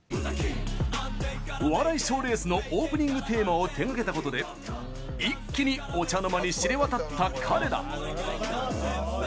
お笑い賞レースの、オープニングテーマを手がけたことで一気に、お茶の間に知れ渡った彼ら。